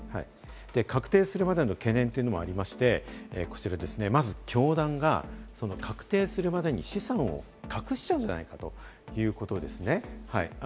確定するまでの懸念がありまして、こちら、まず教団が確定するまでに資産を隠しちゃうんじゃないかということですね。